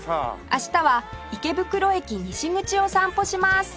明日は池袋駅西口を散歩します